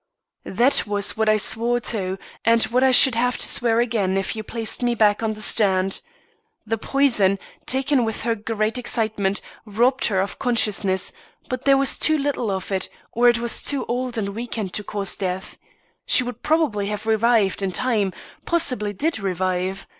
"That was what I swore to, and what I should have to swear to again if you placed me back on the stand. The poison, taken with her great excitement, robbed her of consciousness, but there was too little of it, or it was too old and weakened to cause death. She would probably have revived, in time; possibly did revive.